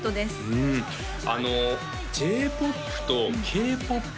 うんあのＪ−ＰＯＰとＫ−ＰＯＰ